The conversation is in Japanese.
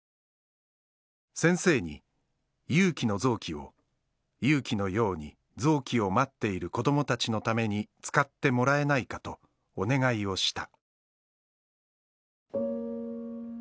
「先生に優希の臓器を優希のように臓器を待っている子どもたちのために使ってもらえないかとお願いをした」